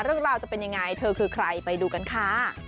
เรื่องราวจะเป็นยังไงเธอคือใครไปดูกันค่ะ